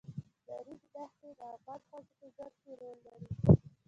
د ریګ دښتې د افغان ښځو په ژوند کې رول لري.